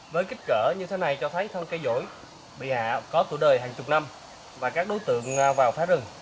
với kích cỡ như thế này cho thấy thân cây dỗi bị hạ có tuổi đời hàng chục năm và các đối tượng vào phá rừng